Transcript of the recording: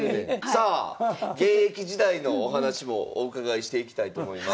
さあ現役時代のお話もお伺いしていきたいと思います。